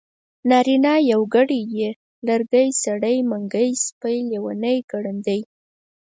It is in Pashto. نارينه يوګړی ی لرګی سړی منګی سپی لېوانی ګړندی